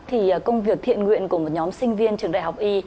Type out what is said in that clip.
thì công việc thiện nguyện của một nhóm sinh viên trường đại học y